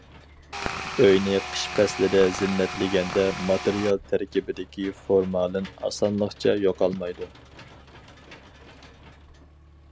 ئۆينى قىش پەسلىدە زىننەتلىگەندە ماتېرىيال تەركىبىدىكى فورمالىن ئاسانلىقچە يوقالمايدۇ.